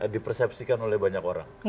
dipersepsikan oleh banyak orang